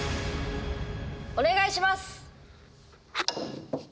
お願いします！